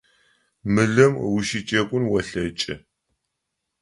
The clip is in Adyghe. Мылым ущыджэгун олъэкӏы.